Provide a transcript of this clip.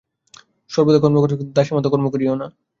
সর্বদা কর্ম কর, কিন্তু দাসের মত কর্ম করিও না।